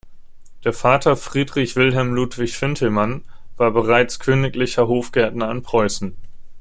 Der Vater, Friedrich Wilhelm Ludwig Fintelmann, war bereits "Königlicher Hofgärtner" in Preußen.